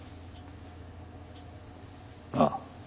ああ。